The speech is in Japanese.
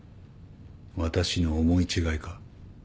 私の思い違いか？